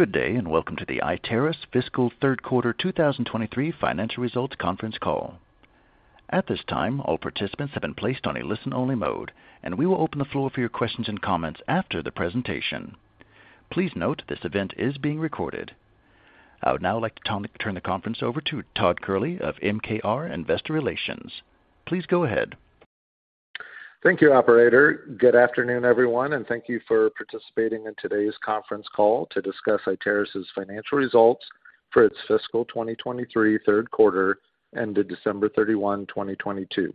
Good day, and welcome to the Iteris fiscal third quarter 2023 financial results conference call. At this time, all participants have been placed on a listen-only mode, and we will open the floor for your questions and comments after the presentation. Please note this event is being recorded. I would now like to turn the conference over to Todd Kehrli of MKR Investor Relations. Please go ahead. Thank you, operator. Good afternoon, everyone, and thank you for participating in today's conference call to discuss Iteris' financial results for its fiscal 2023 third quarter ended December 31, 2022.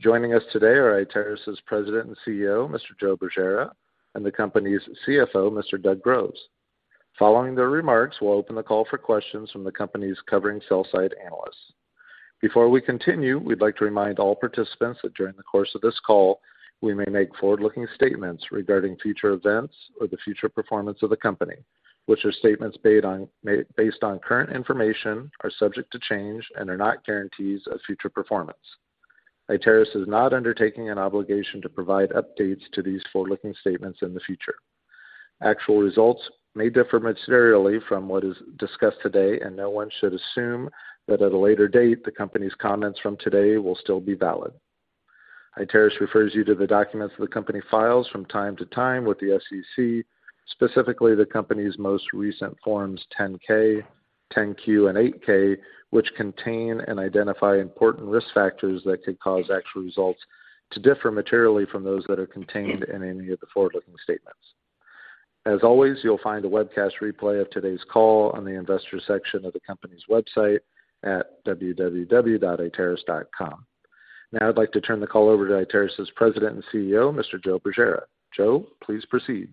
Joining us today are Iteris' President and CEO, Mr. Joe Bergera, and the company's CFO, Mr. Doug Groves. Following their remarks, we'll open the call for questions from the company's covering sell-side analysts. Before we continue, we'd like to remind all participants that during the course of this call, we may make forward-looking statements regarding future events or the future performance of the company, which are statements based on current information are subject to change and are not guarantees of future performance. Iteris is not undertaking an obligation to provide updates to these forward-looking statements in the future. Actual results may differ materially from what is discussed today, and no one should assume that at a later date, the company's comments from today will still be valid. Iteris refers you to the documents the company files from time to time with the SEC, specifically the company's most recent Forms 10-K, 10-Q, and 8-K, which contain and identify important risk factors that could cause actual results to differ materially from those that are contained in any of the forward-looking statements. As always, you'll find a webcast replay of today's call on the investors section of the company's website at www.iteris.com. Now I'd like to turn the call over to Iteris' President and CEO, Mr. Joe Bergera. Joe, please proceed.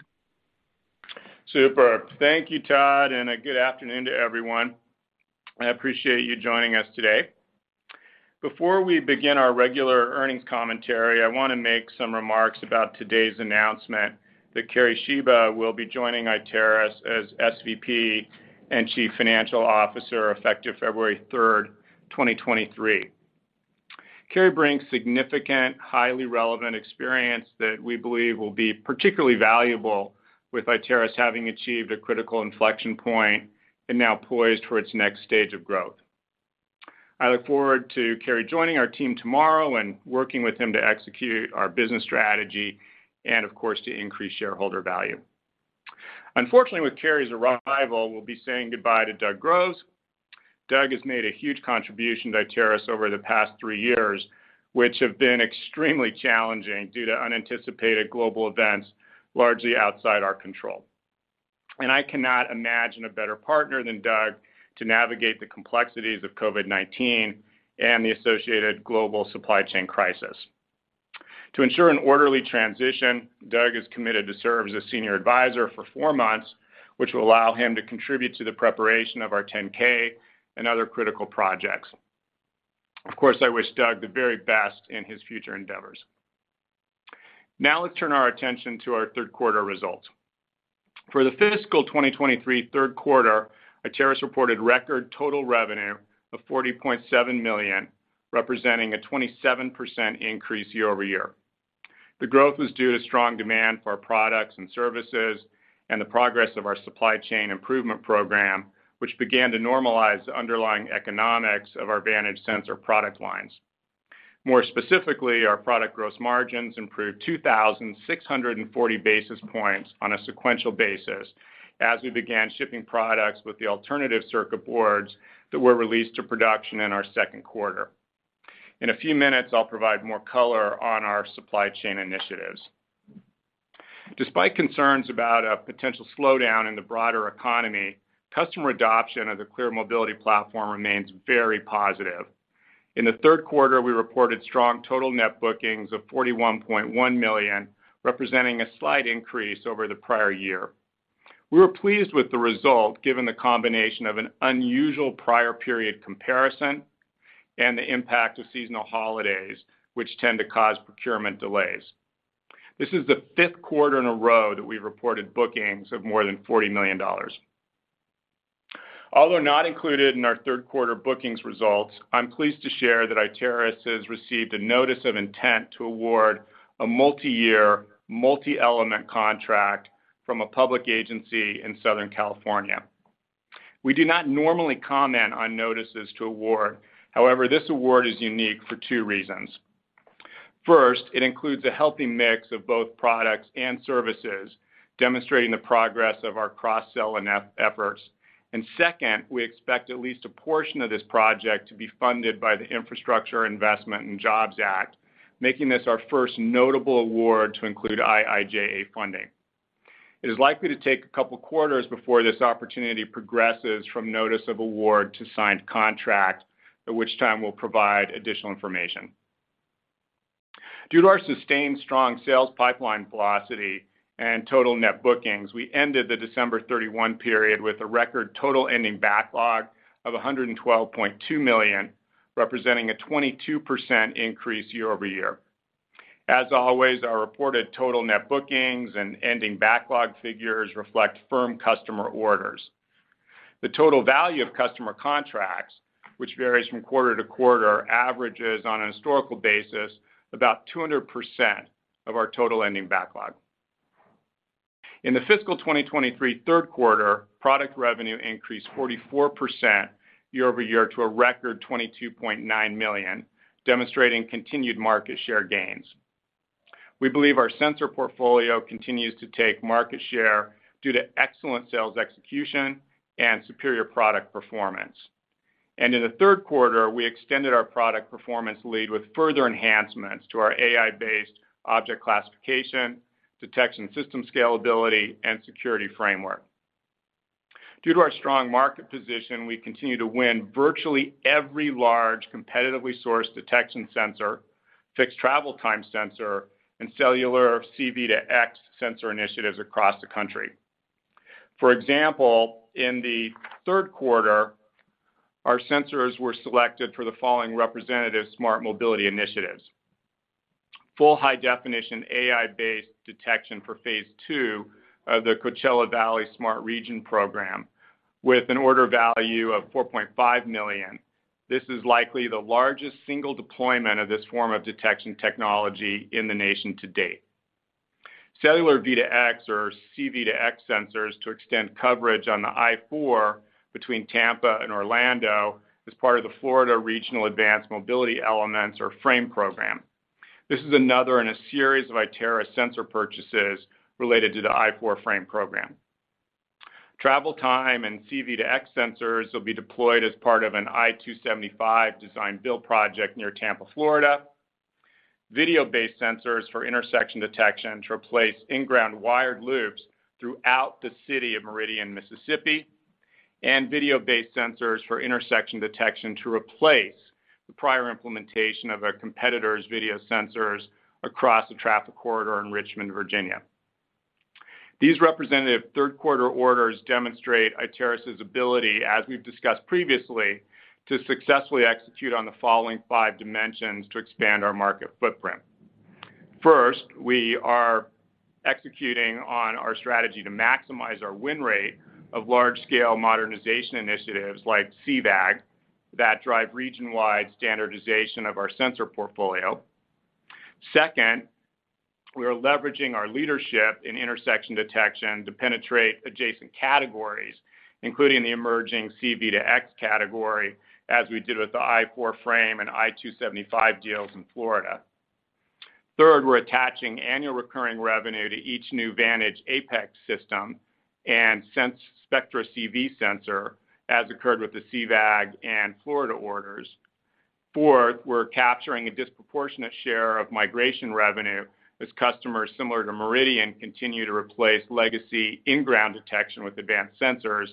Superb. Thank you, Todd, and a good afternoon to everyone. I appreciate you joining us today. Before we begin our regular earnings commentary, I wanna make some remarks about today's announcement that Kerry Shiba will be joining Iteris as SVP and Chief Financial Officer, effective February third, 2023. Kerry brings significant, highly relevant experience that we believe will be particularly valuable with Iteris having achieved a critical inflection point and now poised for its next stage of growth. I look forward to Kerry joining our team tomorrow and working with him to execute our business strategy and, of course, to increase shareholder value. Unfortunately, with Kerry's arrival, we'll be saying goodbye to Doug Groves. Doug has made a huge contribution to Iteris over the past three years, which have been extremely challenging due to unanticipated global events, largely outside our control. I cannot imagine a better partner than Doug to navigate the complexities of COVID-19 and the associated global supply chain crisis. To ensure an orderly transition, Doug is committed to serve as a senior advisor for four months, which will allow him to contribute to the preparation of our Form 10-K and other critical projects. I wish Doug the very best in his future endeavors. Let's turn our attention to our third quarter results. For the fiscal 2023 third quarter, Iteris reported record total revenue of $40.7 million, representing a 27% increase year-over-year. The growth was due to strong demand for our products and services and the progress of our supply chain improvement program, which began to normalize the underlying economics of our Vantage sensor product lines. More specifically, our product gross margins improved 2,640 basis points on a sequential basis as we began shipping products with the alternative circuit boards that were released to production in our second quarter. In a few minutes, I'll provide more color on our supply chain initiatives. Despite concerns about a potential slowdown in the broader economy, customer adoption of the ClearMobility platform remains very positive. In the third quarter, we reported strong total net bookings of $41.1 million, representing a slight increase over the prior year. We were pleased with the result, given the combination of an unusual prior period comparison and the impact of seasonal holidays, which tend to cause procurement delays. This is the fifth quarter in a row that we've reported bookings of more than $40 million. Although not included in our third quarter bookings results, I'm pleased to share that Iteris has received a notice of intent to award a multi-year, multi-element contract from a public agency in Southern California. We do not normally comment on notices to award. However, this award is unique for two reasons. First, it includes a healthy mix of both products and services, demonstrating the progress of our cross-sell and efforts. Second, we expect at least a portion of this project to be funded by the Infrastructure Investment and Jobs Act, making this our first notable award to include IIJA funding. It is likely to take a couple quarters before this opportunity progresses from notice of award to signed contract, at which time we'll provide additional information. Due to our sustained strong sales pipeline velocity and total net bookings, we ended the December 31 period with a record total ending backlog of $112.2 million, representing a 22% increase year-over-year. As always, our reported total net bookings and ending backlog figures reflect firm customer orders. The total value of customer contracts, which varies from quarter-to-quarter, averages on a historical basis about 200% of our total ending backlog. In the fiscal 2023 third quarter, product revenue increased 44% year-over-year to a record $22.9 million, demonstrating continued market share gains. We believe our sensor portfolio continues to take market share due to excellent sales execution and superior product performance. In the third quarter, we extended our product performance lead with further enhancements to our AI-based object classification, detection system scalability, and security framework. Due to our strong market position, we continue to win virtually every large competitively sourced detection sensor, fixed travel time sensor, and cellular C-V2X sensor initiatives across the country. For example, in the third quarter, our sensors were selected for the following representative smart mobility initiatives. Full high definition AI-based detection for phase II of the Coachella Valley Smart Region Program with an order value of $4.5 million. This is likely the largest single deployment of this form of detection technology in the nation to date. Cellular-V2X or C-V2X sensors to extend coverage on the I-4 between Tampa and Orlando as part of the Florida's Regional Advanced Mobility Elements, or FRAME program. This is another in a series of Iteris sensor purchases related to the I-4 FRAME program. Travel time and C-V2X sensors will be deployed as part of an I-275 design build project near Tampa, Florida. Video-based sensors for intersection detection to replace in-ground wired loops throughout the city of Meridian, Mississippi. Video-based sensors for intersection detection to replace the prior implementation of a competitor's video sensors across a traffic corridor in Richmond, Virginia. These representative third quarter orders demonstrate Iteris' ability, as we've discussed previously, to successfully execute on the following five dimensions to expand our market footprint. First, we are executing on our strategy to maximize our win rate of large-scale modernization initiatives like CVAG that drive region-wide standardization of our sensor portfolio. Second, we are leveraging our leadership in intersection detection to penetrate adjacent categories, including the emerging C-V2X category, as we did with the I-4 FRAME and I-275 deals in Florida. Third, we're attaching annual recurring revenue to each new Vantage Apex system and sense Spectra CV sensor, as occurred with the CVAG and Florida orders. Fourth, we're capturing a disproportionate share of migration revenue as customers similar to Meridian continue to replace legacy in-ground detection with advanced sensors.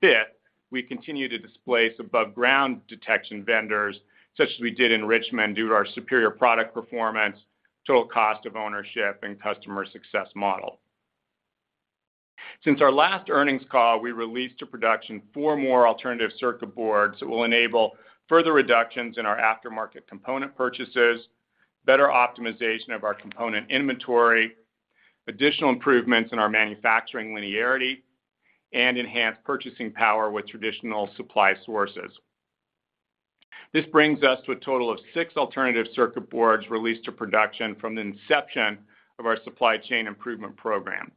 Fifth, we continue to displace above ground detection vendors, such as we did in Richmond, due to our superior product performance, total cost of ownership, and customer success model. Since our last earnings call, we released to production four more alternative circuit boards that will enable further reductions in our aftermarket component purchases, better optimization of our component inventory, additional improvements in our manufacturing linearity, and enhanced purchasing power with traditional supply sources. This brings us to a total of six alternative circuit boards released to production from the inception of our supply chain improvement program.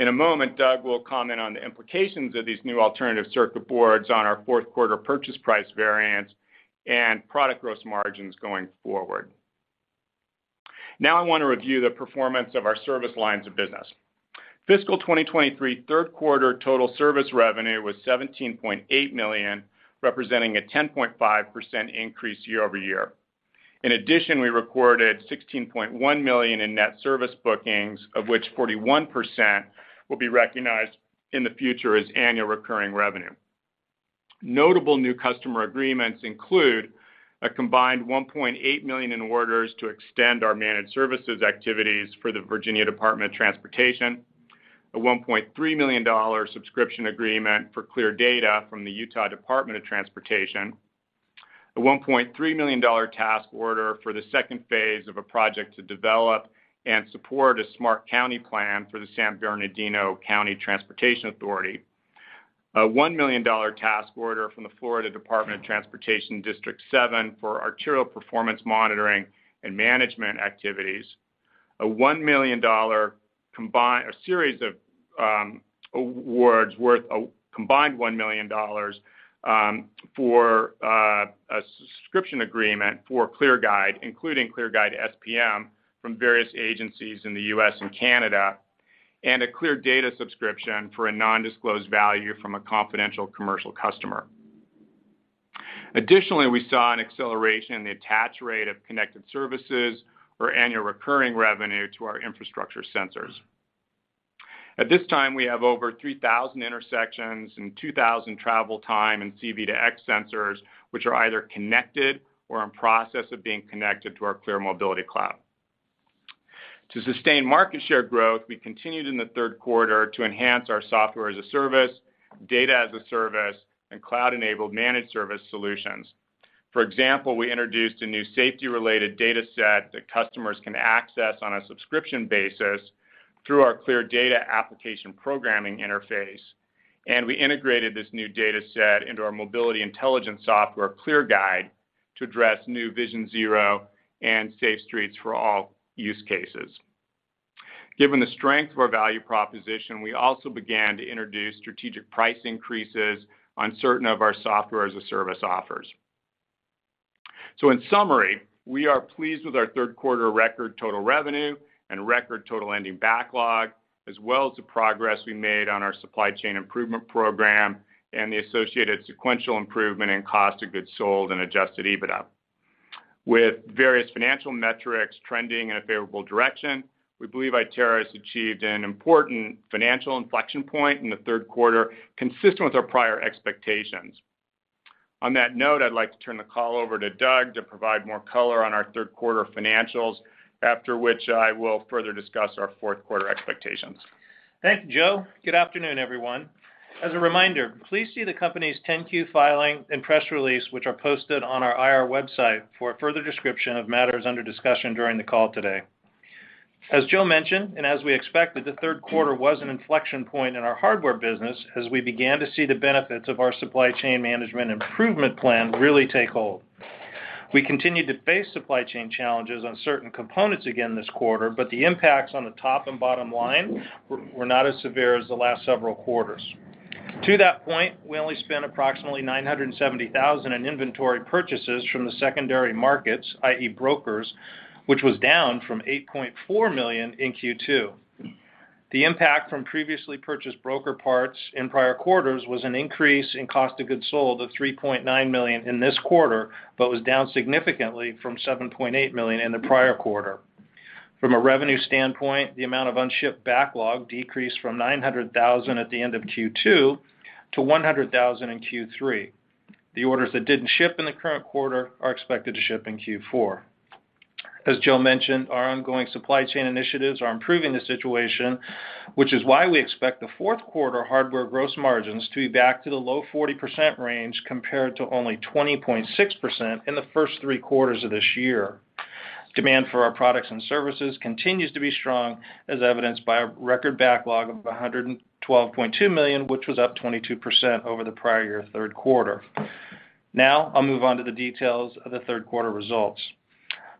In a moment, Doug will comment on the implications of these new alternative circuit boards on our fourth quarter purchase price variance and product gross margins going forward. I want to review the performance of our service lines of business. Fiscal 2023 third quarter total service revenue was $17.8 million, representing a 10.5% increase year-over-year. In addition, we recorded $16.1 million in net service bookings, of which 41% will be recognized in the future as annual recurring revenue. Notable new customer agreements include a combined $1.8 million in orders to extend our managed services activities for the Virginia Department of Transportation, a $1.3 million subscription agreement for ClearData from the Utah Department of Transportation, a $1.3 million task order for the second phase of a project to develop and support a smart county plan for the San Bernardino County Transportation Authority, a $1 million task order from the Florida Department of Transportation District Seven for arterial performance monitoring and management activities, awards worth a combined $1 million for a subscription agreement for ClearGuide, including ClearGuide SPM from various agencies in the U.S. and Canada, and a ClearData subscription for a non-disclosed value from a confidential commercial customer. Additionally, we saw an acceleration in the attach rate of connected services or annual recurring revenue to our infrastructure sensors. At this time, we have over 3,000 intersections and 2,000 travel time and C-V2X sensors, which are either connected or in process of being connected to our ClearMobility Cloud. To sustain market share growth, we continued in the third quarter to enhance our software as a service, data as a service, and cloud-enabled managed service solutions. For example, we introduced a new safety-related data set that customers can access on a subscription basis through our ClearData application programming interface, and we integrated this new data set into our mobility intelligence software, ClearGuide, to address new Vision Zero and Safe Streets for All use cases. Given the strength of our value proposition, we also began to introduce strategic price increases on certain of our software-as-a-service offers. In summary, we are pleased with our third quarter record total revenue and record total ending backlog, as well as the progress we made on our supply chain improvement program and the associated sequential improvement in cost of goods sold and adjusted EBITDA. With various financial metrics trending in a favorable direction, we believe Iteris achieved an important financial inflection point in the third quarter, consistent with our prior expectations. On that note, I'd like to turn the call over to Doug to provide more color on our third quarter financials, after which I will further discuss our fourth quarter expectations. Thank you, Joe. Good afternoon, everyone. As a reminder, please see the company's 10-Q filing and press release, which are posted on our IR website for a further description of matters under discussion during the call today. As Joe mentioned, and as we expected, the third quarter was an inflection point in our hardware business as we began to see the benefits of our supply chain management improvement plan really take hold. We continued to face supply chain challenges on certain components again this quarter, but the impacts on the top and bottom line were not as severe as the last several quarters. To that point, we only spent approximately $970,000 in inventory purchases from the secondary markets, i.e. brokers, which was down from $8.4 million in Q2. The impact from previously purchased broker parts in prior quarters was an increase in cost of goods sold of $3.9 million in this quarter, but was down significantly from $7.8 million in the prior quarter. From a revenue standpoint, the amount of unshipped backlog decreased from $900,000 at the end of Q2 to $100,000 in Q3. The orders that didn't ship in the current quarter are expected to ship in Q4. As Joe mentioned, our ongoing supply chain initiatives are improving the situation, which is why we expect the fourth quarter hardware gross margins to be back to the low 40% range compared to only 20.6% in the first three quarters of this year. Demand for our products and services continues to be strong, as evidenced by a record backlog of $112.2 million, which was up 22% over the prior year third quarter. I'll move on to the details of the third quarter results.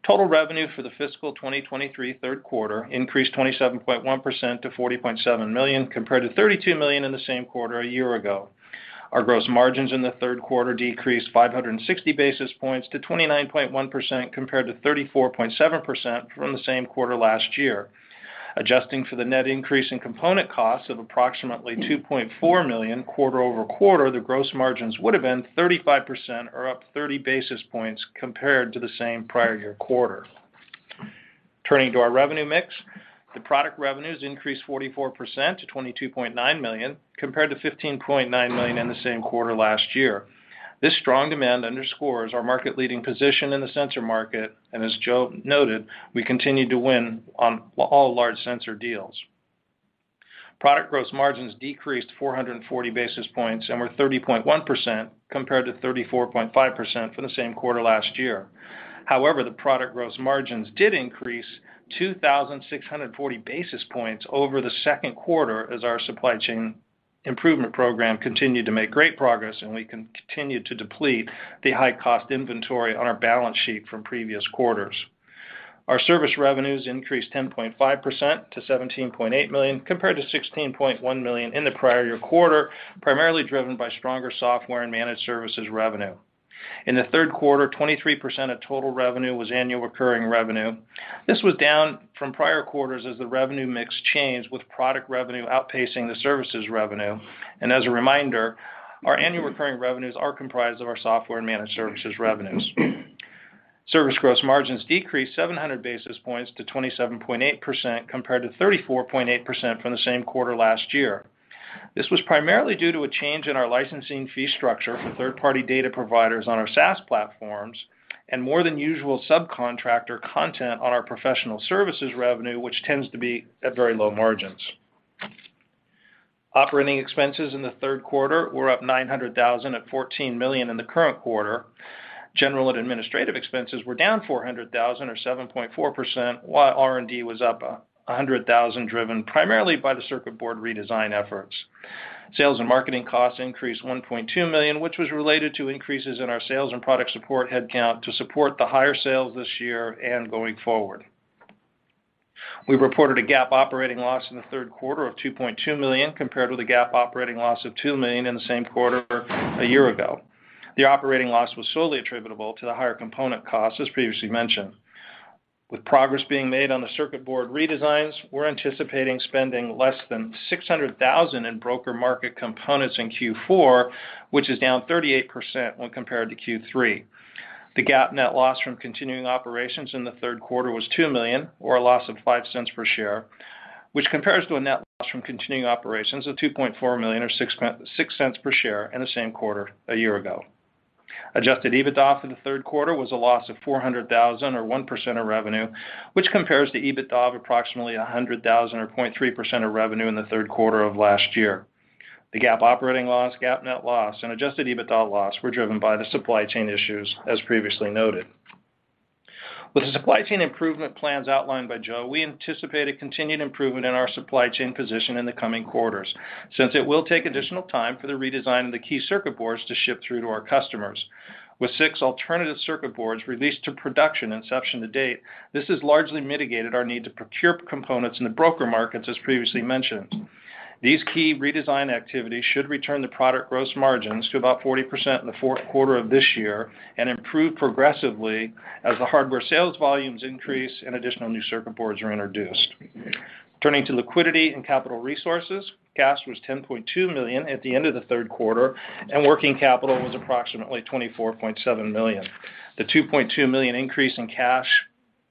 Total revenue for the fiscal 2023 third quarter increased 27.1% to $40.7 million, compared to $32 million in the same quarter a year ago. Our gross margins in the third quarter decreased 560 basis points to 29.1%, compared to 34.7% from the same quarter last year. Adjusting for the net increase in component costs of approximately $2.4 million quarter-over-quarter, the gross margins would have been 35% or up 30 basis points compared to the same prior year quarter. Turning to our revenue mix, the product revenues increased 44% to $22.9 million, compared to $15.9 million in the same quarter last year. This strong demand underscores our market-leading position in the sensor market, and as Joe noted, we continue to win on all large sensor deals. Product gross margins decreased 440 basis points and were 30.1% compared to 34.5% for the same quarter last year. However, the product gross margins did increase 2,640 basis points over the second quarter as our supply chain improvement program continued to make great progress, and we continued to deplete the high cost inventory on our balance sheet from previous quarters. Our service revenues increased 10.5% to $17.8 million, compared to $16.1 million in the prior-year quarter, primarily driven by stronger software and managed services revenue. In the third quarter, 23% of total revenue was annual recurring revenue. This was down from prior quarters as the revenue mix changed, with product revenue outpacing the services revenue. As a reminder, our annual recurring revenues are comprised of our software and managed services revenues. Service gross margins decreased 700 basis points to 27.8%, compared to 34.8% from the same quarter last year. This was primarily due to a change in our licensing fee structure for third-party data providers on our SaaS platforms and more than usual subcontractor content on our professional services revenue, which tends to be at very low margins. Operating expenses in the third quarter were up $900,000 at $14 million in the current quarter. General and administrative expenses were down $400,000 or 7.4%, while R&D was up $100,000, driven primarily by the circuit board redesign efforts. Sales and marketing costs increased $1.2 million, which was related to increases in our sales and product support headcount to support the higher sales this year and going forward. We reported a GAAP operating loss in the third quarter of $2.2 million, compared with a GAAP operating loss of $2 million in the same quarter a year ago. The operating loss was solely attributable to the higher component costs, as previously mentioned. With progress being made on the circuit board redesigns, we're anticipating spending less than $600,000 in broker market components in Q4, which is down 38% when compared to Q3. The GAAP net loss from continuing operations in the third quarter was $2 million, or a loss of $0.05 per share, which compares to a net loss from continuing operations of $2.4 million, or $0.06 per share in the same quarter a year ago. Adjusted EBITDA for the third quarter was a loss of $400,000 or 1% of revenue, which compares to EBITDA of approximately $100,000 or 0.3% of revenue in the third quarter of last year. The GAAP operating loss, GAAP net loss, and adjusted EBITDA loss were driven by the supply chain issues, as previously noted. With the supply chain improvement plans outlined by Joe, we anticipate a continued improvement in our supply chain position in the coming quarters, since it will take additional time for the redesign of the key circuit boards to ship through to our customers. With six alternative circuit boards released to production inception to date, this has largely mitigated our need to procure components in the broker markets, as previously mentioned. These key redesign activities should return the product gross margins to about 40% in the fourth quarter of this year and improve progressively as the hardware sales volumes increase and additional new circuit boards are introduced. Turning to liquidity and capital resources, cash was $10.2 million at the end of the third quarter, and working capital was approximately $24.7 million. The $2.2 million increase in cash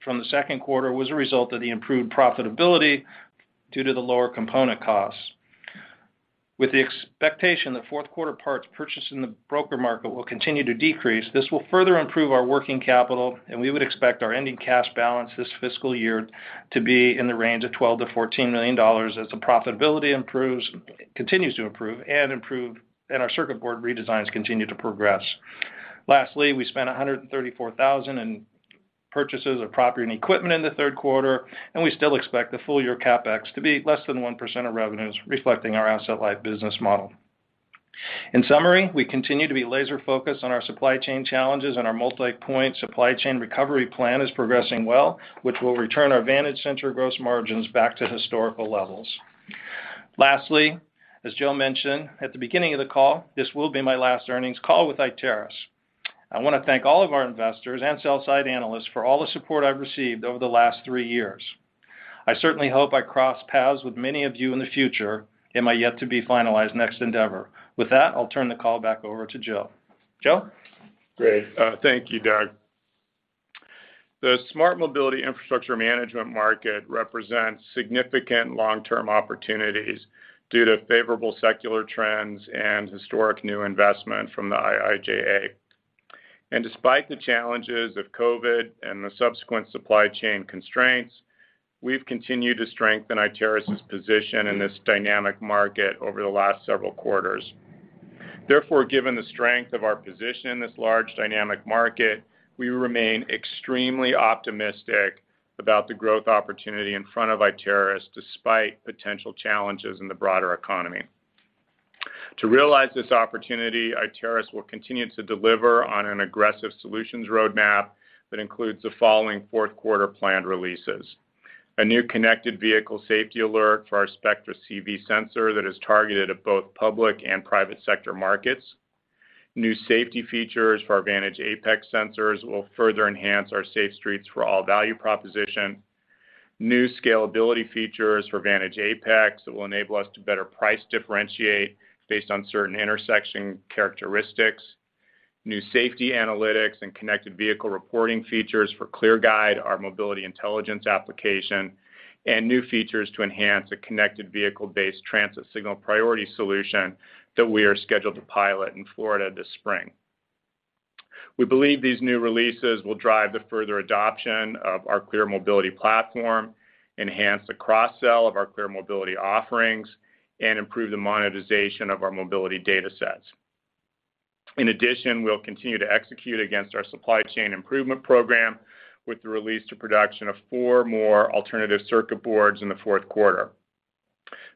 from the second quarter was a result of the improved profitability due to the lower component costs. With the expectation that fourth quarter parts purchased in the broker market will continue to decrease, this will further improve our working capital, and we would expect our ending cash balance this fiscal year to be in the range of $12 million-$14 million as the profitability continues to improve and our circuit board redesigns continue to progress. Lastly, we spent $134,000 in purchases of property and equipment in the third quarter, and we still expect the full year CapEx to be less than 1% of revenues, reflecting our asset-light business model. In summary, we continue to be laser-focused on our supply chain challenges, and our multipoint supply chain recovery plan is progressing well, which will return our Vantage sensor gross margins back to historical levels. Lastly, as Joe mentioned at the beginning of the call, this will be my last earnings call with Iteris. I wanna thank all of our investors and sell side analysts for all the support I've received over the last three years. I certainly hope I cross paths with many of you in the future in my yet to be finalized next endeavor. With that, I'll turn the call back over to Joe. Joe? Great. Thank you, Doug. The smart mobility infrastructure management market represents significant long-term opportunities due to favorable secular trends and historic new investment from the IIJA. Despite the challenges of COVID and the subsequent supply chain constraints, we've continued to strengthen Iteris' position in this dynamic market over the last several quarters. Given the strength of our position in this large dynamic market, we remain extremely optimistic about the growth opportunity in front of Iteris, despite potential challenges in the broader economy. To realize this opportunity, Iteris will continue to deliver on an aggressive solutions roadmap that includes the following fourth quarter planned releases: a new connected vehicle safety alert for our Spectra CV sensor that is targeted at both public and private sector markets, new safety features for our Vantage Apex sensors will further enhance our Safe Streets for All value proposition, new scalability features for Vantage Apex that will enable us to better price differentiate based on certain intersection characteristics, new safety analytics and connected vehicle reporting features for ClearGuide, our mobility intelligence application, and new features to enhance the connected vehicle-based transit signal priority solution that we are scheduled to pilot in Florida this spring. We believe these new releases will drive the further adoption of our ClearMobility platform, enhance the cross-sell of our ClearMobility offerings, and improve the monetization of our mobility datasets. In addition, we'll continue to execute against our supply chain improvement program with the release to production of 4 more alternative circuit boards in the fourth quarter.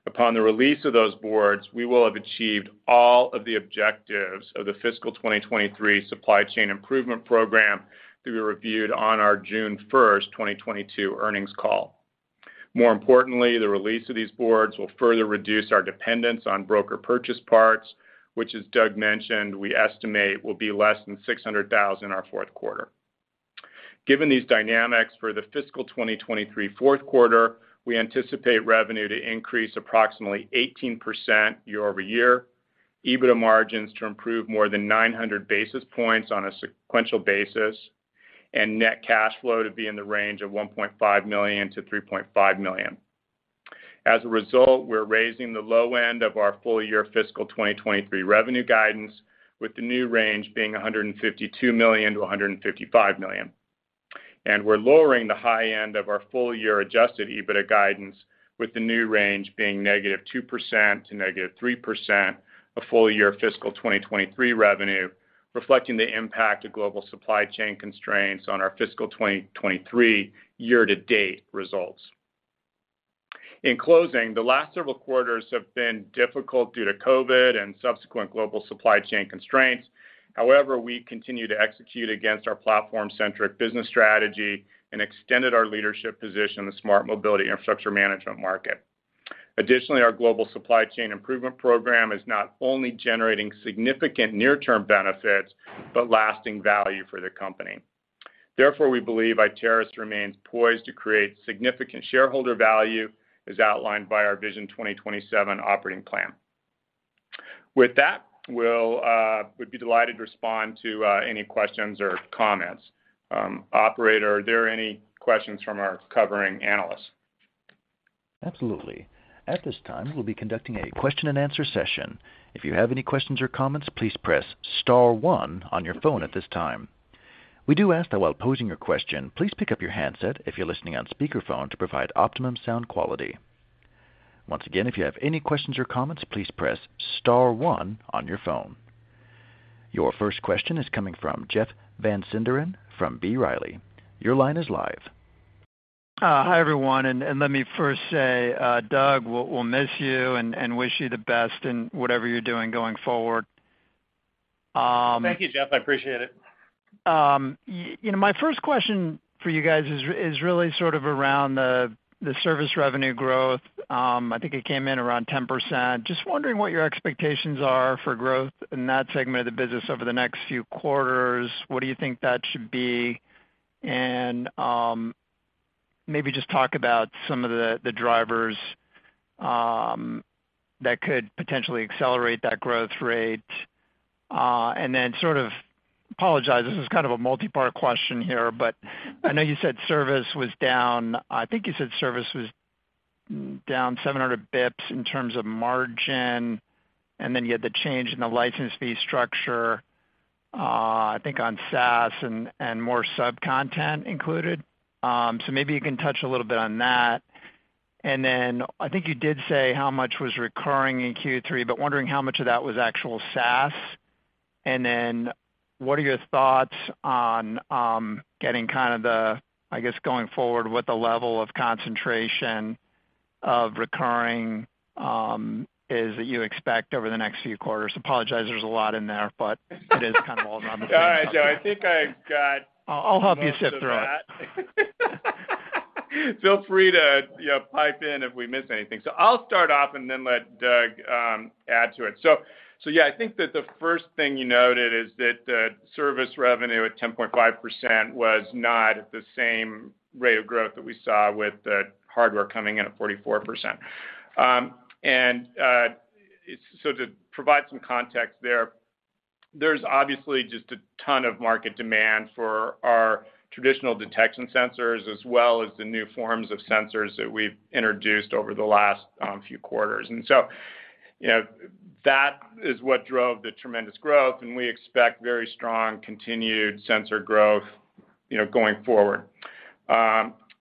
Upon the release of those boards, we will have achieved all of the objectives of the fiscal 2023 supply chain improvement program that we reviewed on our June 1, 2022 earnings call. More importantly, the release of these boards will further reduce our dependence on broker purchase parts, which, as Doug mentioned, we estimate will be less than $600,000 in our fourth quarter. Given these dynamics for the fiscal 2023 fourth quarter, we anticipate revenue to increase approximately 18% year-over-year, EBITDA margins to improve more than 900 basis points on a sequential basis, and net cash flow to be in the range of $1.5 million-$3.5 million. As a result, we're raising the low end of our full year fiscal 2023 revenue guidance, with the new range being $152 million-$155 million. We're lowering the high end of our full year adjusted EBITDA guidance, with the new range being -2% to -3% of full year fiscal 2023 revenue, reflecting the impact of global supply chain constraints on our fiscal 2023 year to date results. In closing, the last several quarters have been difficult due to COVID and subsequent global supply chain constraints. However, we continue to execute against our platform-centric business strategy and extended our leadership position in the smart mobility infrastructure management market. Our global supply chain improvement program is not only generating significant near-term benefits but lasting value for the company. Therefore, we believe Iteris remains poised to create significant shareholder value, as outlined by our Vision 2027 operating plan. With that, we'll, we'd be delighted to respond to any questions or comments. Operator, are there any questions from our covering analysts? Absolutely. At this time, we'll be conducting a question and answer session. If you have any questions or comments, please press star one on your phone at this time. We do ask that while posing your question, please pick up your handset if you're listening on speakerphone to provide optimum sound quality. Once again, if you have any questions or comments, please press star one on your phone. Your first question is coming from Jeff Van Sinderen from B. Riley. Your line is live. Hi, everyone. Let me first say, Doug, we'll miss you and wish you the best in whatever you're doing going forward. Thank you, Jeff. I appreciate it. You know, my first question for you guys is really sort of around the service revenue growth. I think it came in around 10%. Just wondering what your expectations are for growth in that segment of the business over the next few quarters. What do you think that should be? Maybe just talk about some of the drivers that could potentially accelerate that growth rate. Apologize, this is kind of a multi-part question here, but I know you said service was down, I think you said service was down 700 basis points in terms of margin, and then you had the change in the license fee structure, I think on SaaS and more sub-content included. Maybe you can touch a little bit on that. I think you did say how much was recurring in Q3, but wondering how much of that was actual SaaS. What are your thoughts on, getting kind of the, I guess, going forward, what the level of concentration of recurring, is that you expect over the next few quarters? Apologize, there's a lot in there, but. It is kind of all on the. Jeff, I think I've got. I'll help you sift through it. Feel free to, you know, pipe in if we miss anything. I'll start off and then let Doug add to it. Yeah, I think that the first thing you noted is that service revenue at 10.5% was not the same rate of growth that we saw with the hardware coming in at 44%. To provide some context there's obviously just a ton of market demand for our traditional detection sensors as well as the new forms of sensors that we've introduced over the last few quarters. You know, that is what drove the tremendous growth, and we expect very strong continued sensor growth, you know, going forward.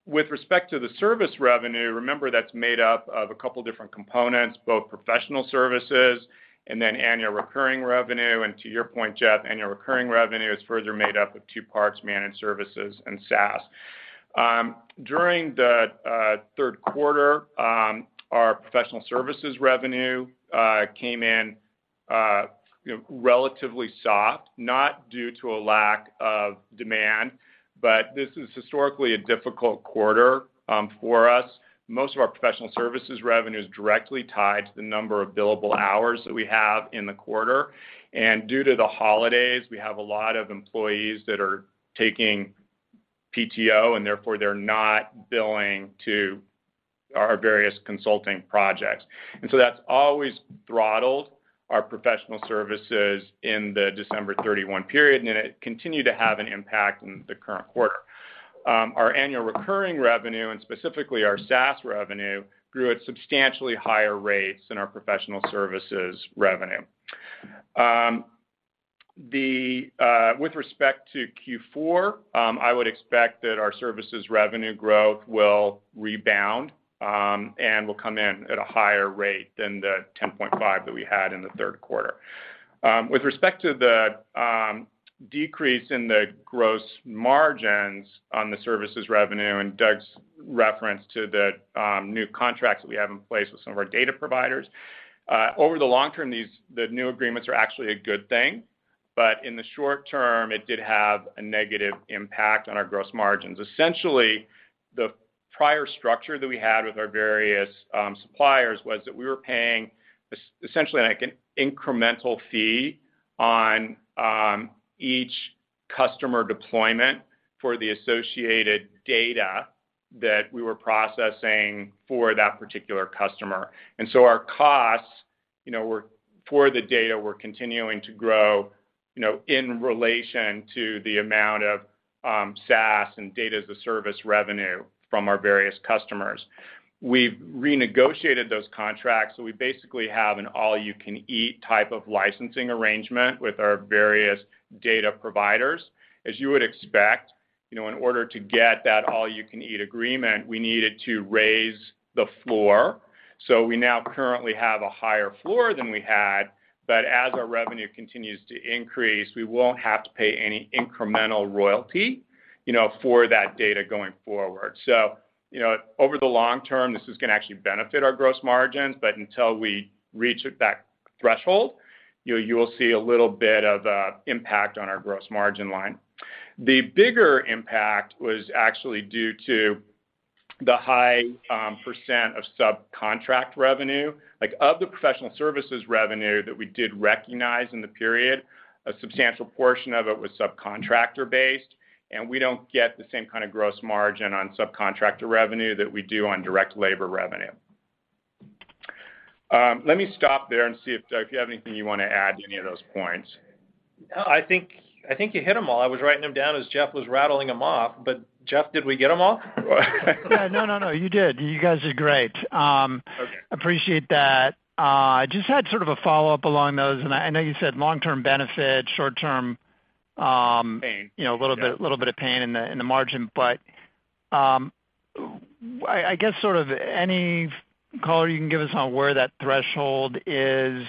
With respect to the service revenue, remember that's made up of a couple different components, both professional services and then annual recurring revenue. To your point, Jeff, annual recurring revenue is further made up of two parts: managed services and SaaS. During the third quarter, our professional services revenue came in, you know, relatively soft, not due to a lack of demand, but this is historically a difficult quarter for us. Most of our professional services revenue is directly tied to the number of billable hours that we have in the quarter. Due to the holidays, we have a lot of employees that are taking PTO, and therefore they're not billing to our various consulting projects. That's always throttled our professional services in the December 31 period, and it continued to have an impact in the current quarter. Our annual recurring revenue, and specifically our SaaS revenue, grew at substantially higher rates than our professional services revenue. With respect to Q4, I would expect that our services revenue growth will rebound and will come in at a higher rate than the 10.5 that we had in the third quarter. With respect to the decrease in the gross margins on the services revenue and Doug's reference to the new contracts that we have in place with some of our data providers, over the long term, the new agreements are actually a good thing, but in the short term, it did have a negative impact on our gross margins. Essentially, the prior structure that we had with our various suppliers was that we were paying essentially like an incremental fee on each customer deployment for the associated data that we were processing for that particular customer. Our costs, you know, for the data were continuing to grow, you know, in relation to the amount of SaaS and data as a service revenue from our various customers. We've renegotiated those contracts, so we basically have an all you can eat type of licensing arrangement with our various data providers. As you would expect, you know, in order to get that all you can eat agreement, we needed to raise the floor. We now currently have a higher floor than we had, but as our revenue continues to increase, we won't have to pay any incremental royalty, you know, for that data going forward. Over the long term, this is gonna actually benefit our gross margins, but until we reach that threshold, you will see a little bit of a impact on our gross margin line. The bigger impact was actually due to the high percent of subcontract revenue. Like, of the professional services revenue that we did recognize in the period, a substantial portion of it was subcontractor-based, and we don't get the same kind of gross margin on subcontractor revenue that we do on direct labor revenue. Let me stop there and see if, Doug, you have anything you wanna add to any of those points. No, I think you hit them all. I was writing them down as Jeff was rattling them off. Jeff, did we get them all? Yeah. No, no, you did. You guys did great. Okay. Appreciate that. Just had sort of a follow-up along those, and I know you said long-term benefit, short-term. Pain. Yeah.... you know, a little bit of pain in the margin. I guess sort of any color you can give us on where that threshold is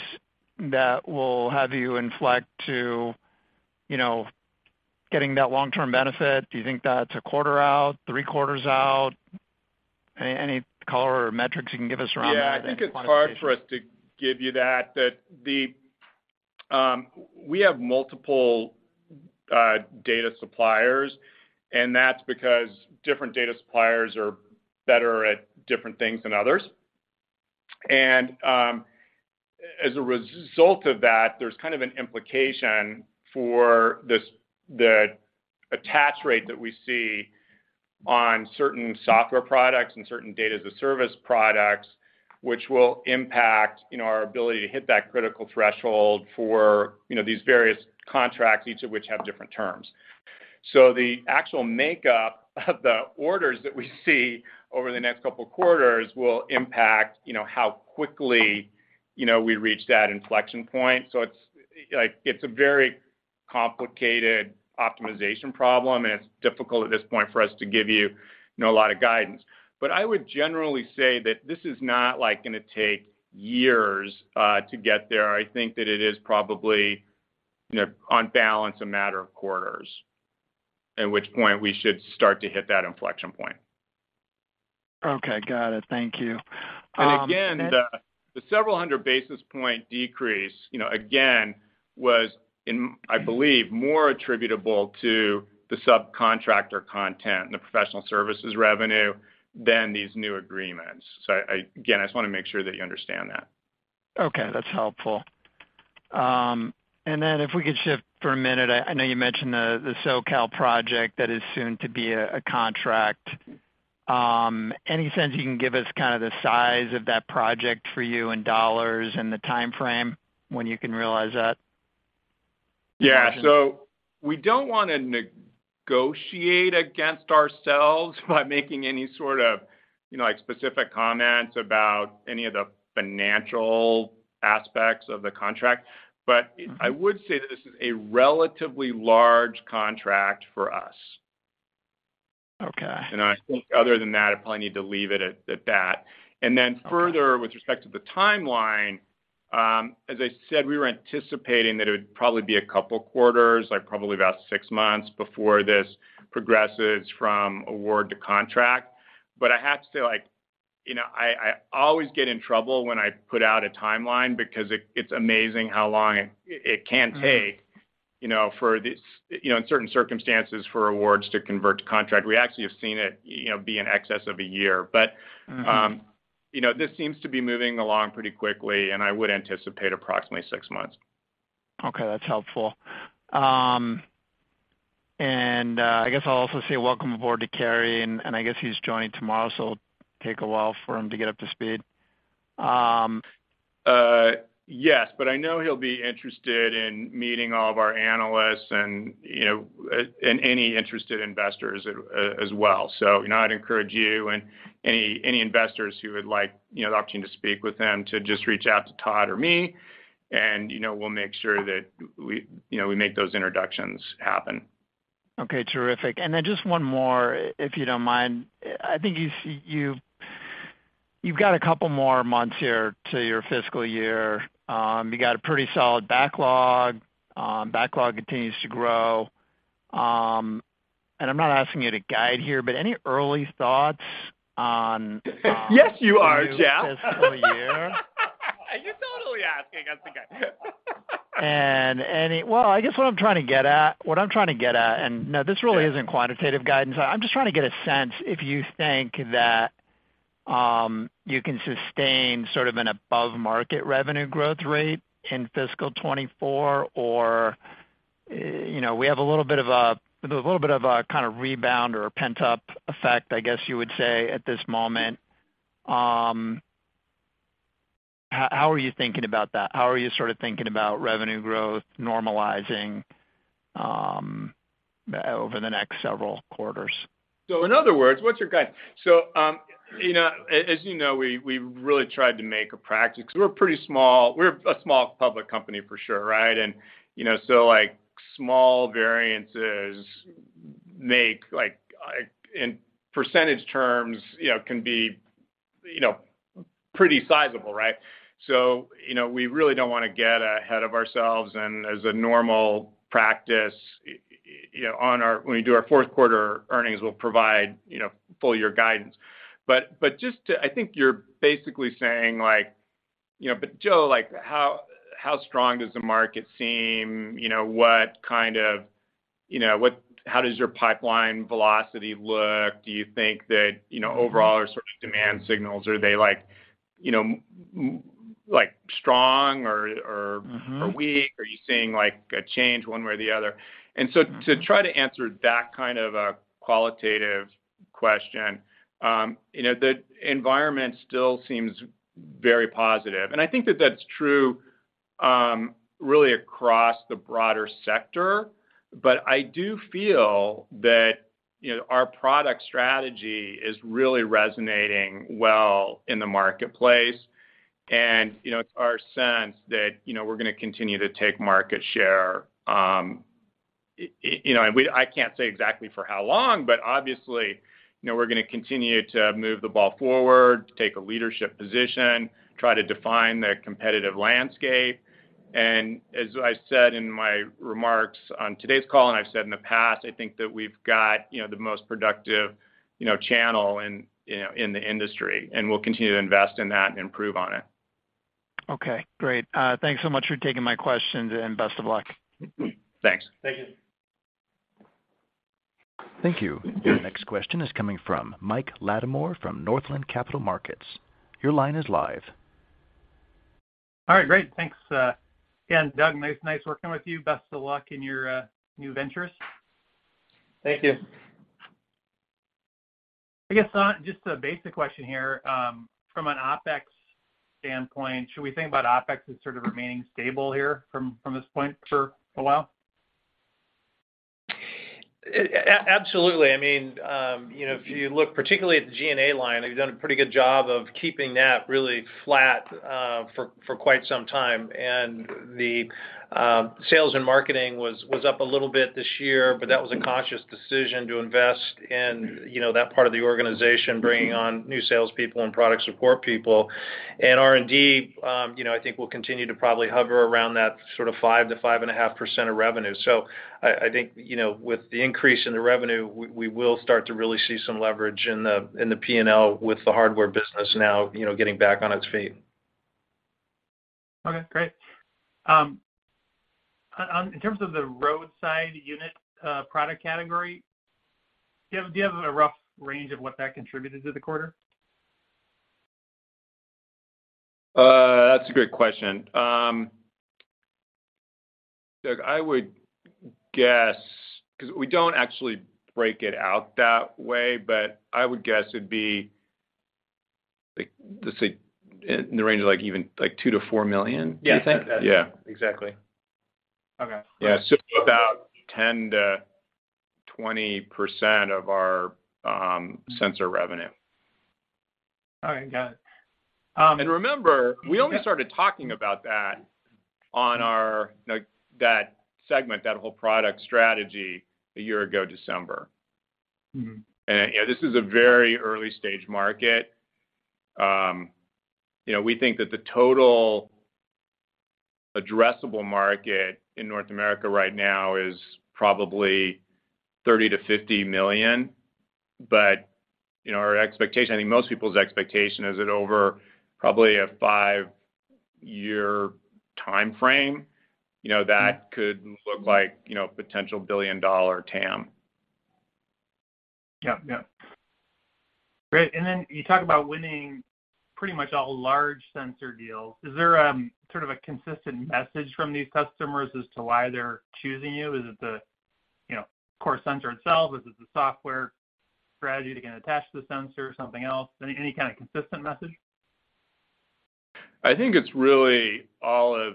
that will have you inflect to, you know, getting that long-term benefit. Do you think that's a quarter out, three quarters out? Any, any color or metrics you can give us around that and quantification? I think it's hard for us to give you that. We have multiple data suppliers. That's because different data suppliers are better at different things than others. As a result of that, there's kind of an implication for this, the attach rate that we see on certain software products and certain data as a service products, which will impact, you know, our ability to hit that critical threshold for, you know, these various contracts, each of which have different terms. The actual makeup of the orders that we see over the next couple quarters will impact, you know, how quickly, you know, we reach that inflection point. It's, like, it's a very complicated optimization problem, and it's difficult at this point for us to give you know, a lot of guidance. I would generally say that this is not, like, gonna take years to get there. I think that it is probably, you know, on balance a matter of quarters, at which point we should start to hit that inflection point. Okay. Got it. Thank you, Again, the several hundred basis point decrease, you know, again, was in, I believe, more attributable to the subcontractor content and the professional services revenue than these new agreements. I, again, I just wanna make sure that you understand that. Okay, that's helpful. If we could shift for a minute. I know you mentioned the SoCal project that is soon to be a contract. Any sense you can give us kind of the size of that project for you in dollars and the timeframe when you can realize that? Yeah. We don't wanna negotiate against ourselves by making any sort of, you know, like, specific comments about any of the financial aspects of the contract. I would say that this is a relatively large contract for us. Okay. I think other than that, I probably need to leave it at that. Okay. Further, with respect to the timeline, as I said, we were anticipating that it would probably be a couple quarters, like, probably about 6 months before this progresses from award to contract. I have to... You know, I always get in trouble when I put out a timeline because it's amazing how long it can take. Mm-hmm. You know, for this, you know, in certain circumstances for awards to convert to contract. We actually have seen it, you know, be in excess of a year. Mm-h You know, this seems to be moving along pretty quickly, and I would anticipate approximately six months. Okay, that's helpful. I guess I'll also say welcome aboard to Kerry, and I guess he's joining tomorrow, so it'll take a while for him to get up to speed. Yes, but I know he'll be interested in meeting all of our analysts and, you know, and any interested investors as well. You know, I'd encourage you and any investors who would like, you know, the opportunity to speak with him to just reach out to Todd or me, and, you know, we'll make sure that we, you know, make those introductions happen. Okay, terrific. Just one more, if you don't mind. I think you've got a couple more months here to your fiscal year. You got a pretty solid backlog. Backlog continues to grow. I'm not asking you to guide here, but any early thoughts on. Yes, you are, Jeff.... New fiscal year? You're totally asking us to guide. Well, I guess what I'm trying to get at, and, no, this really-. Yeah.... isn't quantitative guidance. I'm just trying to get a sense if you think that, you can sustain sort of an above-market revenue growth rate in fiscal 2024 or, you know, we have a little bit of a kind of rebound or pent-up effect, I guess you would say, at this moment. How are you thinking about that? How are you sort of thinking about revenue growth normalizing, over the next several quarters? In other words, what's your guide? you know, as you know, we've really tried to make a practice. We're pretty small. We're a small public company for sure, right? you know, so, like, small variances make, like in percentage terms, you know, can be, you know, pretty sizable, right? you know, we really don't wanna get ahead of ourselves, and as a normal practice, you know, when we do our fourth quarter earnings, we'll provide, you know, full year guidance. Just to... I think you're basically saying, like, you know, "Joe, like, how strong does the market seem? You know, what kind of... You know, how does your pipeline velocity look? Do you think that, you know, overall are sort of demand signals, are they like, you know, like, strong or? Mm-hmm.... Are weak? Are you seeing, like, a change one way or the other?" To try to answer that kind of a qualitative question, you know, the environment still seems very positive. I think that that's true, really across the broader sector. I do feel that, you know, our product strategy is really resonating well in the marketplace. You know, it's our sense that, you know, we're gonna continue to take market share, you know, I can't say exactly for how long, but obviously, you know, we're gonna continue to move the ball forward, take a leadership position, try to define the competitive landscape. As I said in my remarks on today's call and I've said in the past, I think that we've got, you know, the most productive, you know, channel in, you know, in the industry, and we'll continue to invest in that and improve on it. Okay, great. thanks so much for taking my questions, and best of luck. Thanks. Thank you. Thank you. The next question is coming from Mike Latimore from Northland Capital Markets. Your line is live. All right, great. Thanks. again, Doug, nice working with you. Best of luck in your new ventures. Thank you. I guess, just a basic question here. From an OpEx standpoint, should we think about OpEx as sort of remaining stable here from this point for a while? Absolutely. I mean, you know, if you look particularly at the G&A line, we've done a pretty good job of keeping that really flat for quite some time. The sales and marketing was up a little bit this year, but that was a conscious decision to invest in, you know, that part of the organization, bringing on new salespeople and product support people. R&D, you know, I think will continue to probably hover around that sort of 5% to 5.5% of revenue. I think, you know, with the increase in the revenue, we will start to really see some leverage in the P&L with the hardware business now, you know, getting back on its feet. Okay, great. On, in terms of the roadside unit product category, do you have a rough range of what that contributed to the quarter? That's a great question. Doug, I would guess because we don't actually break it out that way, but I would guess it'd be, let's say in the range of even $2 million-$4 million. Yeah. You think? Yeah. Exactly. Okay. Yeah. About 10%-20% of our sensor revenue. All right, got it. Remember, we only started talking about that like that segment, that whole product strategy a year ago December. Mm-hmm. And this is a very early-stage market. you know, we think that the total addressable market in North America right now is probably $30 million-$50 million, you know, our expectation, I think most people's expectation is that over probably a five-year timeframe, you know, that could look like, you know, potential billion-dollar TAM. Yeah. Yeah. Great. Then you talk about winning pretty much all large sensor deals. Is there, sort of a consistent message from these customers as to why they're choosing you? Is it the, you know, core sensor itself? Is it the software strategy they can attach to the sensor or something else? Any kind of consistent message? I think it's really all of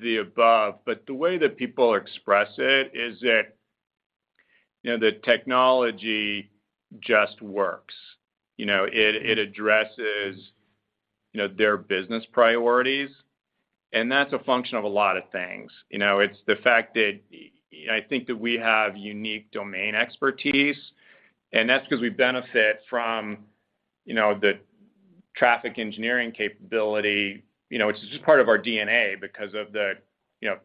the above, but the way that people express it is that, you know, the technology just works. You know, it addresses, you know, their business priorities, and that's a function of a lot of things. You know, it's the fact that I think that we have unique domain expertise, and that's 'cause we benefit from, you know, the traffic engineering capability. You know, it's just part of our DNA because of the, you know,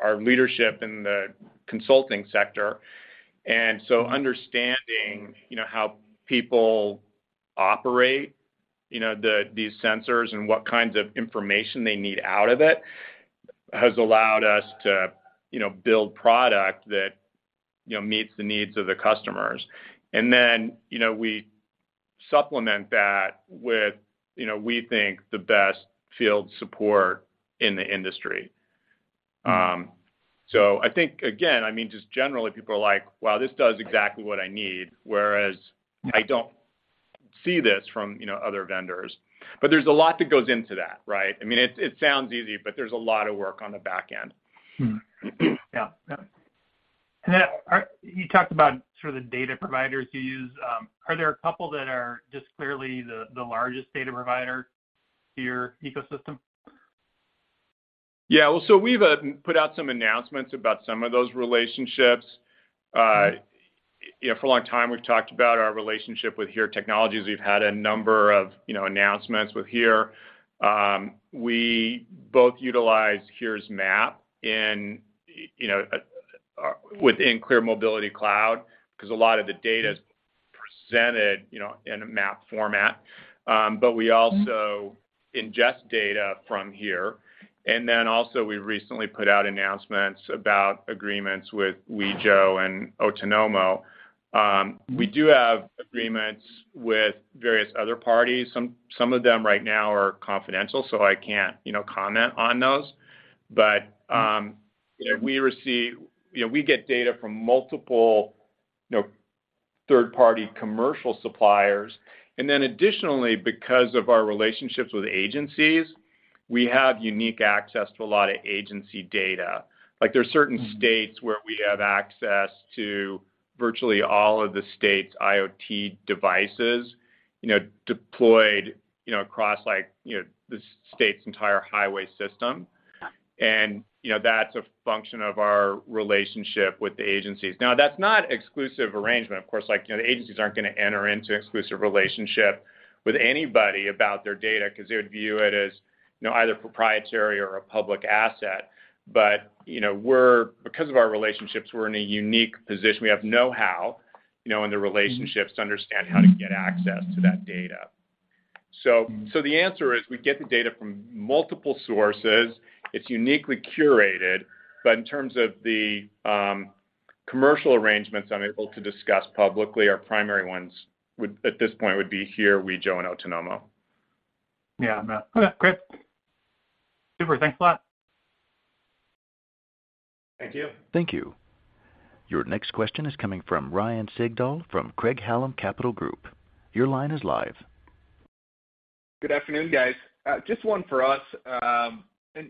our leadership in the consulting sector. So understanding, you know, how people operate, you know, the, these sensors and what kinds of information they need out of it, has allowed us to, you know, build product that, you know, meets the needs of the customers. Then, you know, we supplement that with, you know, we think the best field support in the industry. I think again, I mean, just generally people are like, "Wow, this does exactly what I need, whereas I don't see this from, you know, other vendors." There's a lot that goes into that, right? I mean, it sounds easy, but there's a lot of work on the back end. Mm-hmm. Yeah. Yeah. You talked about sort of the data providers you use. Are there a couple that are just clearly the largest data provider to your ecosystem? Well, so we've put out some announcements about some of those relationships. You know, for a long time we've talked about our relationship with HERE Technologies. We've had a number of, you know, announcements with HERE. We both utilize HERE's map in, you know, within Clear Mobility Cloud 'cause a lot of the data is presented, you know, in a map format. But we also ingest data from HERE. Then also we recently put out announcements about agreements with Wejo and Otonomo. We do have agreements with various other parties. Some of them right now are confidential, so I can't, you know, comment on those. You know, we get data from multiple, you know-Third party commercial suppliers. Additionally, because of our relationships with agencies, we have unique access to a lot of agency data. Like, there are certain states where we have access to virtually all of the state's IoT devices, you know, deployed, you know, across, like, you know, the state's entire highway system. That's a function of our relationship with the agencies. Now, that's not exclusive arrangement, of course. Like, you know, the agencies aren't gonna enter into exclusive relationship with anybody about their data 'cause they would view it as, you know, either proprietary or a public asset. you know, Because of our relationships, we're in a unique position. We have know-how, you know, in the relationships to understand how to get access to that data. The answer is, we get the data from multiple sources. It's uniquely curated. In terms of the commercial arrangements, I'm able to discuss publicly, our primary ones at this point, would be HERE, Wejo and Otonomo. Yeah. No. Okay. Great. Super. Thanks a lot. Thank you. Thank you. Your next question is coming from Ryan Sigdahl from Craig-Hallum Capital Group. Your line is live. Good afternoon, guys. Just one for us,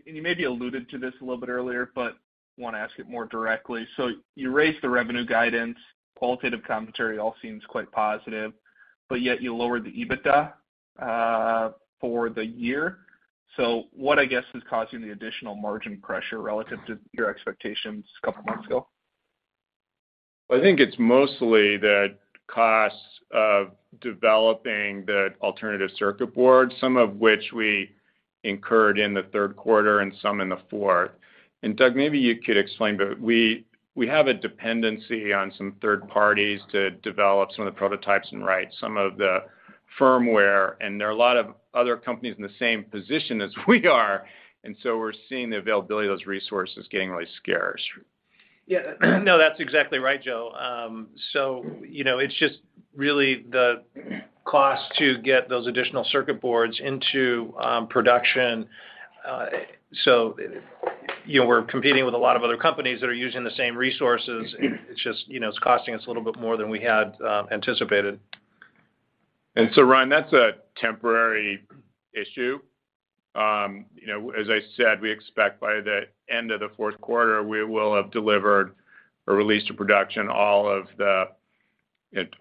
you maybe alluded to this a little bit earlier, but wanna ask it more directly. You raised the revenue guidance, qualitative commentary all seems quite positive, but yet you lowered the EBITDA for the year. What, I guess, is causing the additional margin pressure relative to your expectations a couple months ago? I think it's mostly the costs of developing the alternative circuit board, some of which we incurred in the third quarter and some in the fourth. Doug, maybe you could explain, but we have a dependency on some third parties to develop some of the prototypes and write some of the firmware, there are a lot of other companies in the same position as we are. We're seeing the availability of those resources getting really scarce. Yeah. No, that's exactly right, Joe. you know, it's just really the cost to get those additional circuit boards into production. you know, we're competing with a lot of other companies that are using the same resources. It's just, you know, it's costing us a little bit more than we had anticipated. Ryan, that's a temporary issue. you know, as I said, we expect by the end of the fourth quarter, we will have delivered or released to production all of the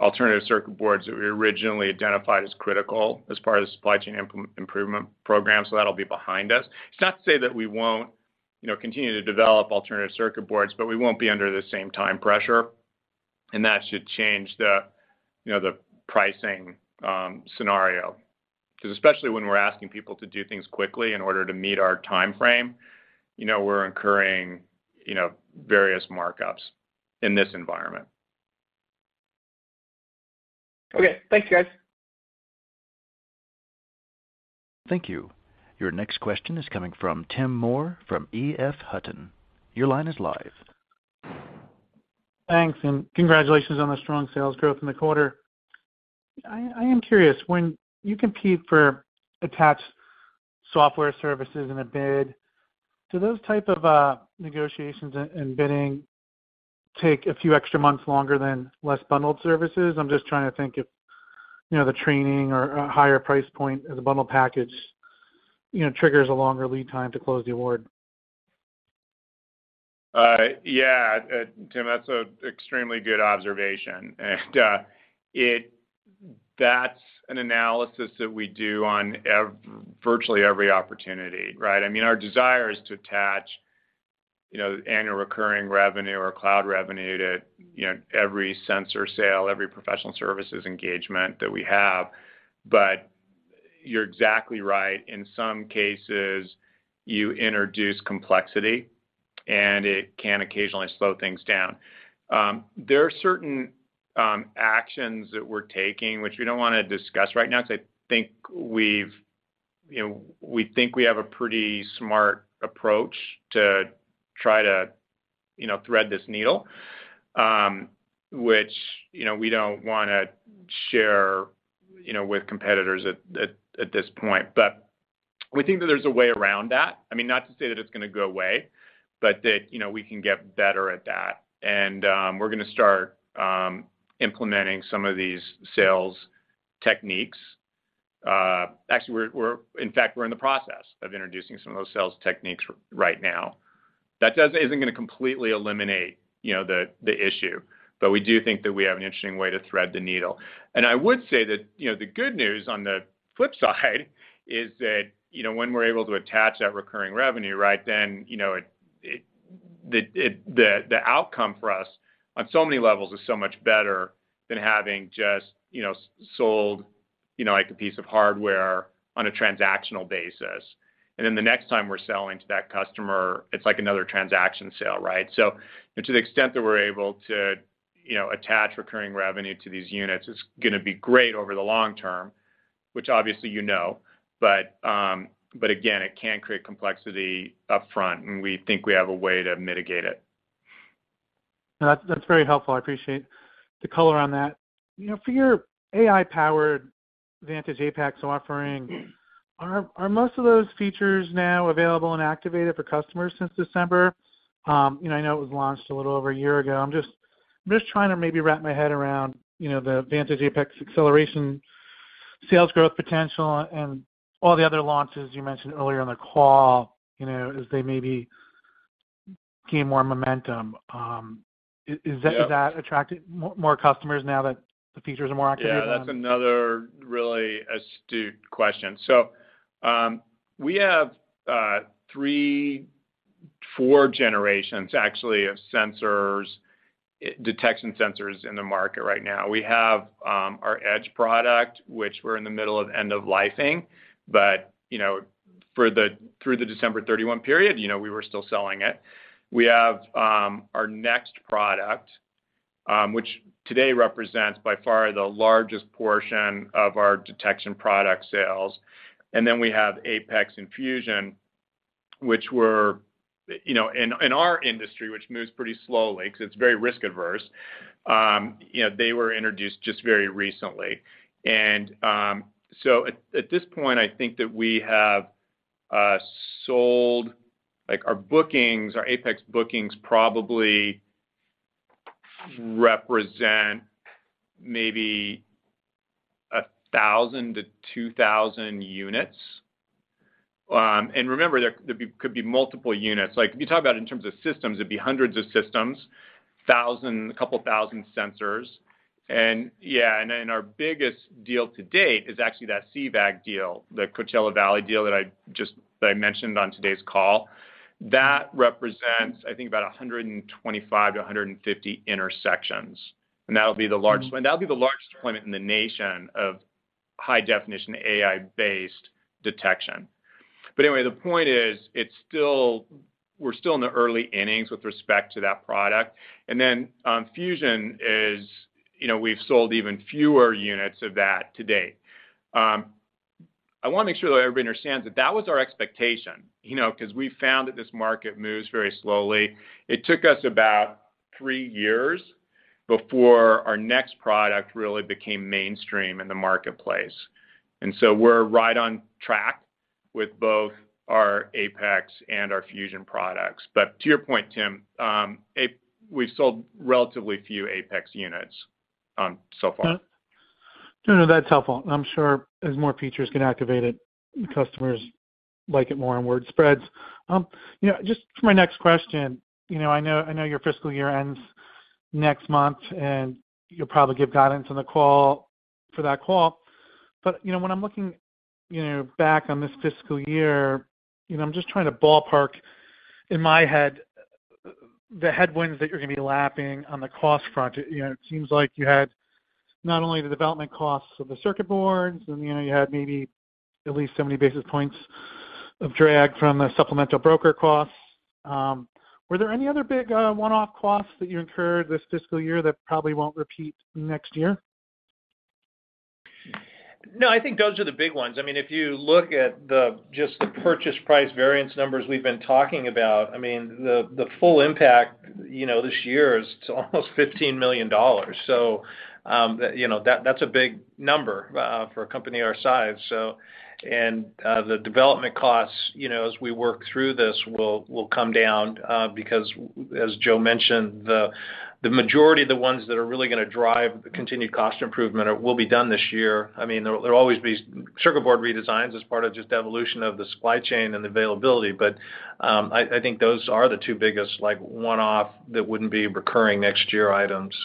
alternative circuit boards that we originally identified as critical as part of the supply chain improvement program. That'll be behind us. It's not to say that we won't, you know, continue to develop alternative circuit boards, but we won't be under the same time pressure, and that should change the, you know, the pricing, scenario. 'Cause especially when we're asking people to do things quickly in order to meet our timeframe, you know, we're incurring, you know, various markups in this environment. Okay. Thanks, guys. Thank you. Your next question is coming from Tim Moore from EF Hutton. Your line is live. Thanks. Congratulations on the strong sales growth in the quarter. I am curious, when you compete for attached software services in a bid, do those type of negotiations and bidding take a few extra months longer than less bundled services? I'm just trying to think if, you know, the training or a higher price point as a bundle package, you know, triggers a longer lead time to close the award. Yeah. Tim, that's an extremely good observation. That's an analysis that we do on virtually every opportunity, right? I mean, our desire is to attach, you know, annual recurring revenue or cloud revenue to, you know, every sensor sale, every professional services engagement that we have. You're exactly right. In some cases, you introduce complexity, and it can occasionally slow things down. There are certain actions that we're taking, which we don't wanna discuss right now, 'cause I think we've, you know, we think we have a pretty smart approach to try to, you know, thread this needle, which, you know, we don't wanna share, you know, with competitors at this point. We think that there's a way around that. I mean, not to say that it's gonna go away, but that, you know, we can get better at that. We're gonna start implementing some of these sales techniques. Actually, we're in fact, we're in the process of introducing some of those sales techniques right now. That isn't gonna completely eliminate, you know, the issue, but we do think that we have an interesting way to thread the needle. I would say that, you know, the good news on the flip side is that, you know, when we're able to attach that recurring revenue, right, then, you know, it, the, it, the outcome for us on so many levels is so much better than having just, you know, sold, you know, like a piece of hardware on a transactional basis. The next time we're selling to that customer, it's like another transaction sale, right? To the extent that we're able to, you know, attach recurring revenue to these units, it's gonna be great over the long term, which obviously you know. Again, it can create complexity upfront, and we think we have a way to mitigate it. That's very helpful. I appreciate the color on that. You know, for your AI-powered Vantage Apex offering. Are most of those features now available and activated for customers since December? You know, I know it was launched a little over a year ago. I'm just trying to maybe wrap my head around, you know, the Vantage Apex acceleration sales growth potential and all the other launches you mentioned earlier in the call, you know, as they maybe gain more momentum. Is that- Yeah. Attracting more customers now that the features are more activated now? Yeah, that's another really astute question. We have four generations actually of sensors, detection sensors in the market right now. We have our Edge product, which we're in the middle of end of lifing, through the December 31 period, you know, we were still selling it. We have our next product, which today represents by far the largest portion of our detection product sales. We have Apex and Fusion, which were, you know, in our industry, which moves pretty slowly because it's very risk-averse, you know, they were introduced just very recently. At this point, I think that we have like our bookings, our Apex bookings probably represent maybe 1,000-2,000 units. Remember, there could be multiple units. Like, if you talk about in terms of systems, it'd be hundreds of systems, thousand, a couple of thousand sensors. Yeah, and then our biggest deal to date is actually that CVAG deal, the Coachella Valley deal that I mentioned on today's call. That represents, I think about 125-150 intersections. That'll be the largest- Mm-hmm. That'll be the largest deployment in the nation of high definition AI-based detection. Anyway, the point is, we're still in the early innings with respect to that product. Then, Fusion is, you know, we've sold even fewer units of that to date. I want to make sure that everybody understands that that was our expectation, you know, because we found that this market moves very slowly. It took us about three years before our next product really became mainstream in the marketplace. We're right on track with both our Apex and our Fusion products. To your point, Tim, we've sold relatively few Apex units so far. No, no, that's helpful. I'm sure as more features get activated, customers like it more and word spreads. You know, just for my next question, you know, I know your fiscal year ends next month, and you'll probably give guidance on the call for that call. You know, when I'm looking, you know, back on this fiscal year, you know, I'm just trying to ballpark in my head the headwinds that you're gonna be lapping on the cost front. You know, it seems like you had not only the development costs of the circuit boards, and, you know, you had maybe at least 70 basis points of drag from the supplemental broker costs. Were there any other big, one-off costs that you incurred this fiscal year that probably won't repeat next year? No, I think those are the big ones. I mean, if you look at the, just the purchase price variance numbers we've been talking about, I mean, the full impact, you know, this year is almost $15 million. You know, that's a big number for a company our size. The development costs, you know, as we work through this will come down because as Joe mentioned, the majority of the ones that are really gonna drive continued cost improvement will be done this year. I mean, there'll always be circuit board redesigns as part of just evolution of the supply chain and availability. I think those are the two biggest like one-off that wouldn't be recurring next year items.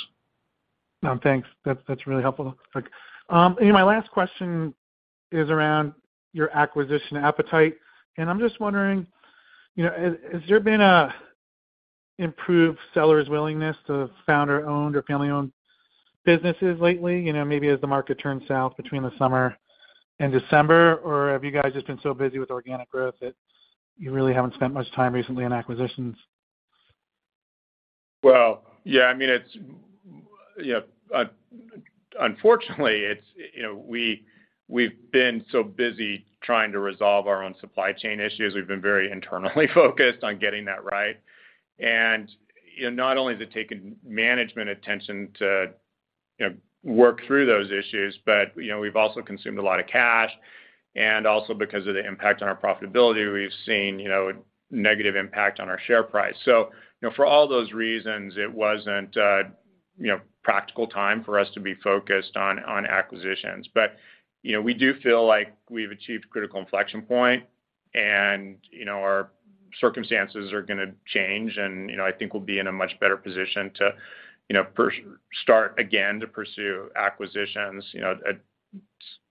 No, thanks. That's really helpful. My last question is around your acquisition appetite, and I'm just wondering, you know, has there been an improved seller's willingness to founder-owned or family-owned businesses lately, you know, maybe as the market turns south between the summer and December? Have you guys just been so busy with organic growth that you really haven't spent much time recently on acquisitions? Well, yeah, I mean, it's, you know, unfortunately, it's, you know, we've been so busy trying to resolve our own supply chain issues. We've been very internally focused on getting that right. You know, not only has it taken management attention to, you know, work through those issues, but, you know, we've also consumed a lot of cash. Because of the impact on our profitability, we've seen, you know, negative impact on our share price. You know, for all those reasons, it wasn't a, you know, practical time for us to be focused on acquisitions. You know, we do feel like we've achieved critical inflection point and, you know, our circumstances are gonna change and, you know, I think we'll be in a much better position to, you know, pursue acquisitions, you know, at,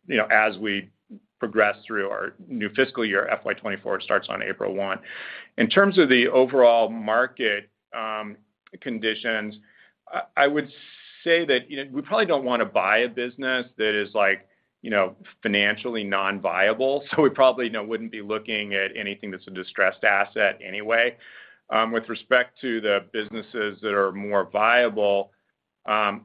you know, as we progress through our new fiscal year, FY 2024 starts on April 1. In terms of the overall market conditions, I would say that, you know, we probably don't wanna buy a business that is like, you know, financially non-viable, so we probably, you know, wouldn't be looking at anything that's a distressed asset anyway. With respect to the businesses that are more viable, I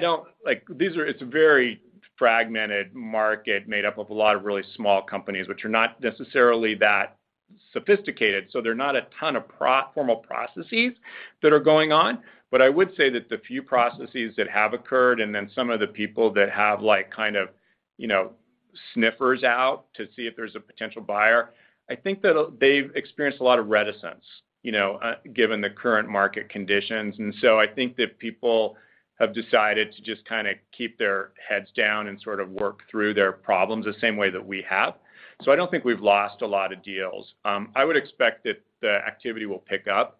don't. It's a very fragmented market made up of a lot of really small companies, which are not necessarily that sophisticated, so they're not a ton of formal processes that are going on. I would say that the few processes that have occurred and then some of the people that have, like, kind of, you know, sniffers out to see if there's a potential buyer, I think that they've experienced a lot of reticence, you know, given the current market conditions. I think that people have decided to just kinda keep their heads down and sort of work through their problems the same way that we have. I don't think we've lost a lot of deals. I would expect that the activity will pick up.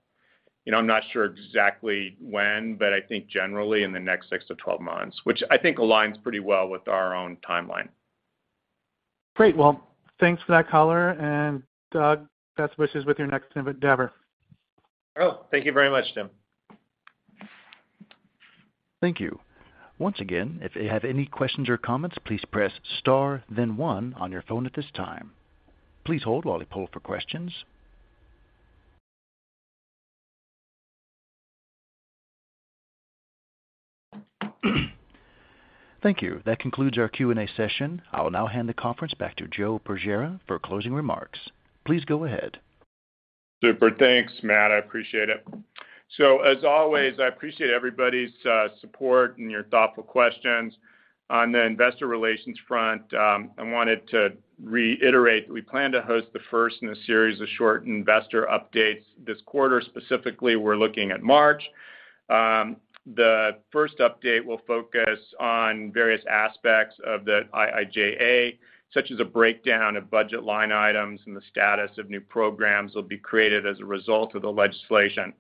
You know, I'm not sure exactly when, but I think generally in the next six to 12 months, which I think aligns pretty well with our own timeline. Great. Well, thanks for that color. Doug, best wishes with your next endeavor. Oh, thank you very much, Tim. Thank you. Once again, if you have any questions or comments, please press star then one on your phone at this time. Please hold while we poll for questions. Thank you. That concludes our Q&A session. I will now hand the conference back to Joe Bergera for closing remarks. Please go ahead. Super. Thanks, Matt. I appreciate it. As always, I appreciate everybody's support and your thoughtful questions. On the investor relations front, I wanted to reiterate, we plan to host the first in a series of short investor updates this quarter. Specifically, we're looking at March. The first update will focus on various aspects of the IIJA, such as a breakdown of budget line items and the status of new programs that will be created as a result of the legislation.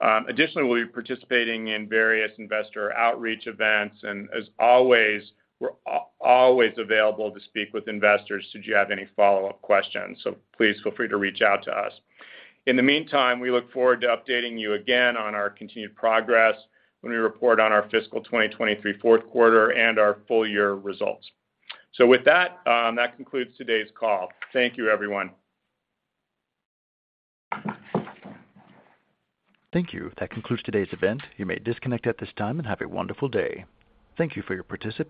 Additionally, we'll be participating in various investor outreach events. As always, we're always available to speak with investors should you have any follow-up questions. Please feel free to reach out to us. In the meantime, we look forward to updating you again on our continued progress when we report on our fiscal 2023 fourth quarter and our full year results. With that concludes today's call. Thank you, everyone. Thank you. That concludes today's event. You may disconnect at this time, and have a wonderful day. Thank you for your participation.